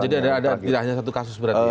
jadi ada tidak hanya satu kasus berarti ya